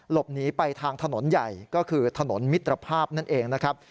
หลบหนีไปทางถนนใหญ่ก็คือถนนมิตรภาพนั่นเองนะครับ